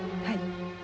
はい。